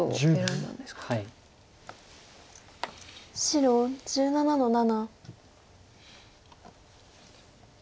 白１７の七。